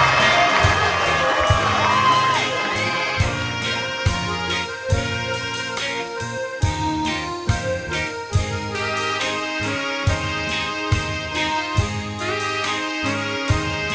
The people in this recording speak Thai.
ในที่๓ครับ